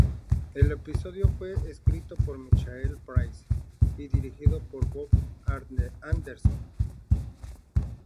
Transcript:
El episodio fue escrito por Michael Price y dirigido por Bob Anderson.